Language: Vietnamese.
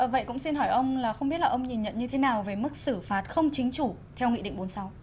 vậy cũng xin hỏi ông là không biết là ông nhìn nhận như thế nào về mức xử phạt không chính chủ theo nghị định bốn mươi sáu